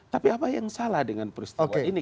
tapi apa yang salah dengan peristiwa ini